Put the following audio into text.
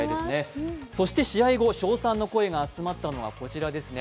そして試合後、称賛の声が集まったのはこちらです。